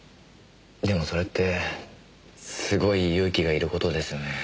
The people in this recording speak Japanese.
でもそれってすごい勇気がいる事ですよね。